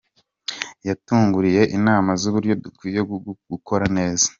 Yatugiriye inama z’uburyo dukwiye gukora neza.